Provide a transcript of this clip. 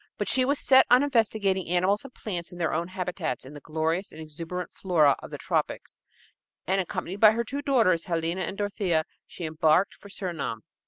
But she was set on investigating animals and plants in their own habitats in the glorious and exuberant flora of the tropics and, accompanied by her two daughters, Helena and Dorothea, she embarked for Surinam.